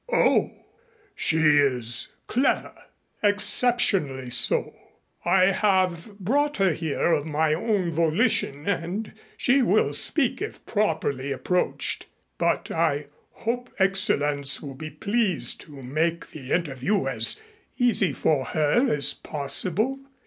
"Oh! She is clever?" "Exceptionally so. I have brought her here of my own volition and she will speak if properly approached, but I hope Excellenz will be pleased to make the interview as easy for her as possible.